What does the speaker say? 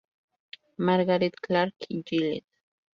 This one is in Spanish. Margaret Clark Gillett